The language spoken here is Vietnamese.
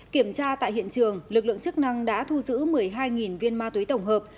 kiểm tra tại hiện trường lực lượng chức năng đã thu giữ một mươi hai viên ma túy tổng hợp